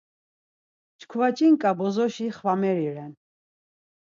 Çkva ç̌inǩa bozoşi xvameri ren.